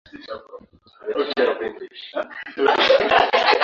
Baada ya dakika kadhaa waliwasili katika eneo walilokusudia kwenda